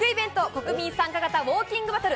国民参加型ウォーキングバトル。